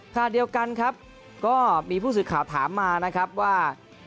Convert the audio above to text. ขณะเดียวกันครับก็มีผู้สื่อข่าวถามมานะครับว่า